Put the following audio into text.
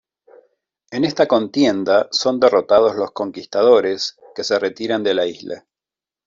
En esta contienda son derrotados los conquistadores, que se retiran de la isla.